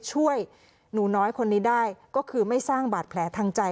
ช่วยหนูน้อยคนนี้ได้ก็คือไม่สร้างบาดแผลทางใจ